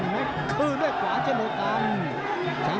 แม่ก็ดีกว่าแม่ก็ดีกว่า